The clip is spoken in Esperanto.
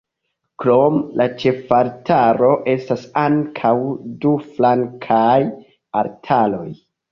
Krom la ĉefaltaro estas ankaŭ du flankaj altaroj.